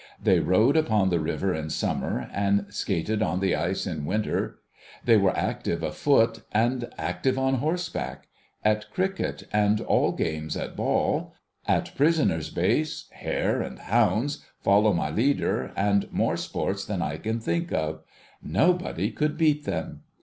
They rowed upon the river in summer, and skated on the ice in winter ; they were active afoot, and active on horseback ; at cricket, and all games at ball ; at prisoners' base, hare and hounds, follow my leader, and more sports than I can think of; nobody could beat them.